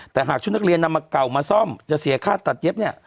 แต่หากชุดนักเรียนนำมาเก่ามาซ่อมจะเสียค่าตัดเย็บเนี่ย